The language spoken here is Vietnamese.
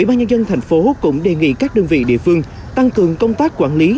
nhân dân thành phố cũng đề nghị các đơn vị địa phương tăng cường công tác quản lý